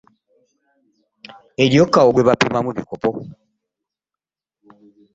Eriyo kawo gwe bapima mu bikopo.